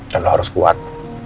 dan lo harus kuat